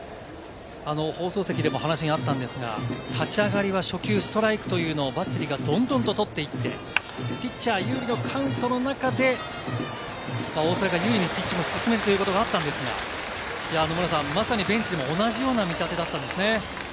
放送席でも話があったんですが、立ち上がりは初球、ストライクというのをバッテリーがどんどん取っていって、ピッチャー有利のカウントの中で大瀬良が優位にピッチングを進めるということがあったんですが、まさにベンチでも同じような見立てだったんですね。